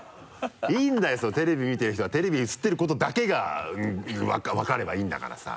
いいんだよテレビ見てる人はテレビに映ってることだけが分かればいいんだからさ。